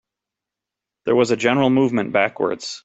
There was a general movement backwards.